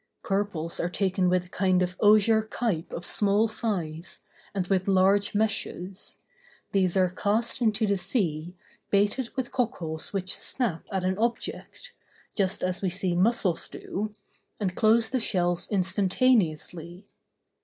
Purples are taken with a kind of osier kipe of small size, and with large meshes; these are cast into the sea, baited with cockles which snap at an object, just as we see mussels do, and close the shell instantaneously.